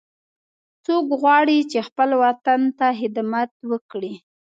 څوک غواړي چې خپل وطن ته خدمت وکړي